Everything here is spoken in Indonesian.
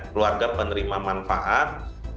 keluarga penerima manfaat